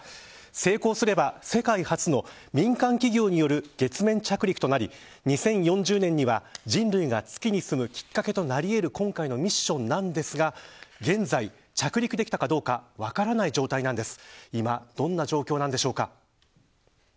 成功すれば世界初の民間企業による月面着陸となり２０４０年には人類が月に住むきっかけとなり得る今回のミッションなんですが現在、着陸できたかどうか分からない状態なんです。